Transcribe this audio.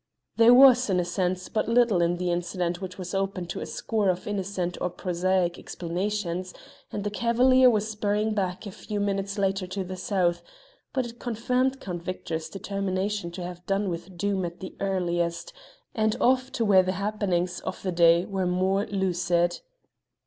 There was, in a sense, but little in the incident, which was open to a score of innocent or prosaic explanations, and the cavalier was spurring back a few minutes later to the south, but it confirmed Count Victor's determination to have done with Doom at the earliest, and off to where the happenings of the day were more lucid.